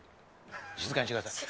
静かにしてください。